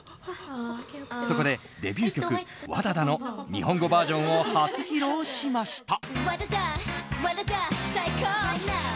そこでデビュー曲「ＷＡＤＡＤＡ」の日本語バージョンを初披露しました。